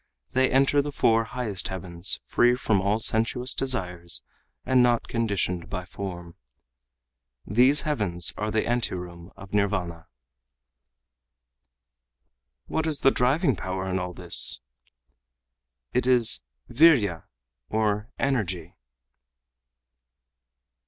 ] they enter the four highest heavens free from all sensuous desires and not conditioned by form. These heavens are the anteroom of Nirvana." "What is the driving power in all this?" "It is vîrya or energy."